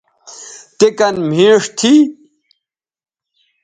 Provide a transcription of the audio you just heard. تے کن مھیݜ تھی